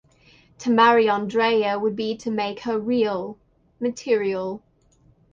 To marry Andrea would be to make her real, material.